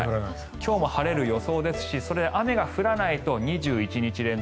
今日も晴れる予想ですし雨が降らないと２１日連続